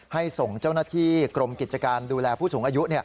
ส่งเจ้าหน้าที่กรมกิจการดูแลผู้สูงอายุ